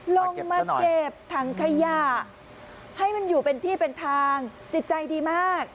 ลงมาเก็บถังขยะให้มันอยู่เป็นที่เป็นทางจิตใจดีมาก